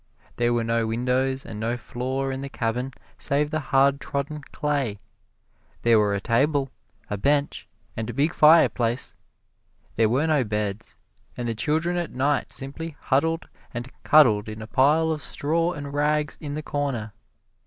There were no windows and no floor in the cabin save the hard trodden clay. There were a table, a bench and a big fireplace. There were no beds, and the children at night simply huddled and cuddled in a pile of straw and rags in the corner.